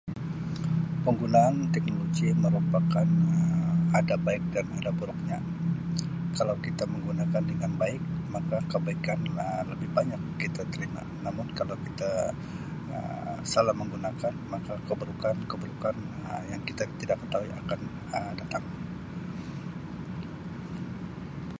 Penggunaan teknologi merupakan Um ada baik dan ada buruknya kalau kita menggunakan dengan baik maka kebaikan Um lebih banyak kita terima namun kalau kita Um salah menggunakan maka keburukan keburukan Um yang kita tidak ketahui akan Um datang.